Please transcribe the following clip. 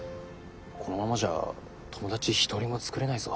このままじゃ友達一人も作れないぞ。